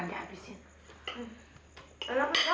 di rumah kita gak ada